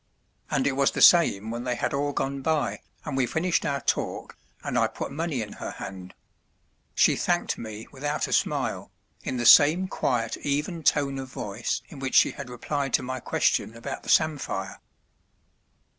And it was the same when they had all gone by and we finished our talk and I put money in her hand; she thanked me without a smile, in the same quiet even tone of voice in which she had replied to my question about the samphire.